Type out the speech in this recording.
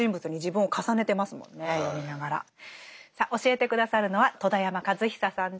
さあ教えて下さるのは戸田山和久さんです。